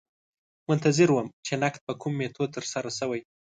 منتظر وم چې نقد په کوم میتود ترسره شوی.